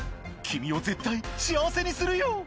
「君を絶対幸せにするよ！